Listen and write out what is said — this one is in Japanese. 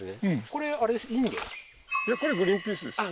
これグリーンピースです